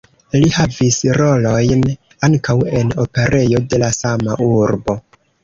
Li havis rolojn ankaŭ en operejo de la sama urbo.